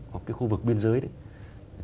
hoặc cái khu vực biên giới đấy